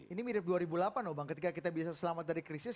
ini mirip dua ribu delapan loh bang ketika kita bisa selamat dari krisis